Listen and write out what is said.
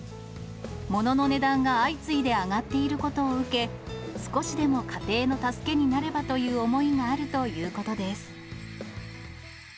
ものの値段が相次いで上がっていることを受け、少しでも家庭の助けになればという思いがあるということです。